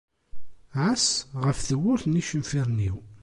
Ɛass ɣef tewwurt n yicenfiren-iw.